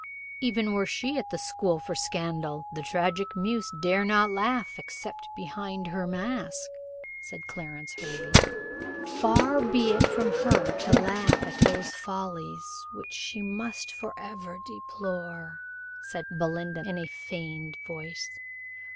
"Even were she at the School for Scandal, the tragic muse dare not laugh, except behind her mask," said Clarence Hervey. "Far be it from her to laugh at those follies which she must for ever deplore!" said Belinda, in a feigned voice.